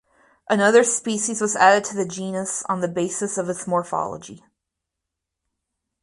Another species was added to the genus on the basis of its morphology.